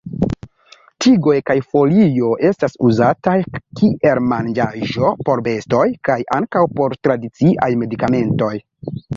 Tigoj kaj folio estas uzataj kiel manĝaĵo por bestoj kaj ankaŭ por tradiciaj medikamentoj.